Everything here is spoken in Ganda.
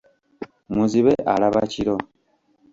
Muzibe, alaba kiro.